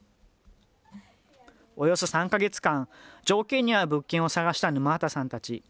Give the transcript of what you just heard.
およそ３か月間、条件に合う物件を探した沼畑さんたち。